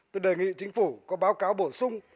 tôi đề nghị chính phủ có báo cáo bổ sung